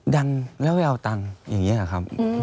ดังแล้วไปเอาตังค์อย่างนี้หรอครับ